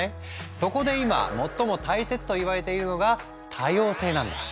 そこで今最も大切と言われているのが「多様性」なんだ。